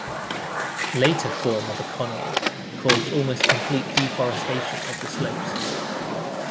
Later form of economy caused almost complete deforestation of the slopes.